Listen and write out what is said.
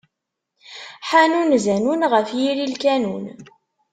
Ḥanun zanun, ɣef yiri n lkanun.